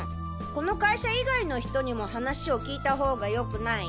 この会社以外の人にも話を聞いた方がよくない？